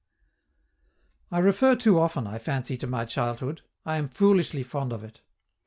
I refer too often, I fancy, to my childhood; I am foolishly fond of it.